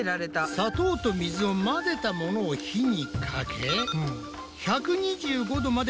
砂糖と水を混ぜたものを火にかけはい。